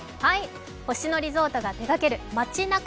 星野リゾートが手がける「街ナカ」